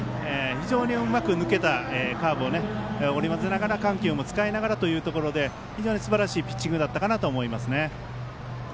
非常にうまく抜けたカーブを織り交ぜながら緩急も使いながらというところで非常にすばらしいピッチングだったかなと思います。